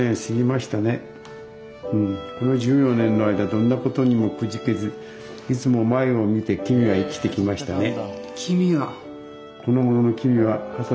この１４年の間どんな事にもくじけずいつも前を見て君は生きてきましたね」。